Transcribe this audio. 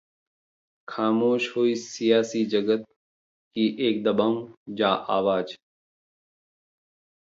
खामोश हुई सियासी जगत की एक दबंग आवाज